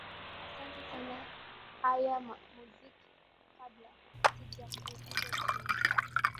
asante sana haya muziki kabla sijakuuliza jina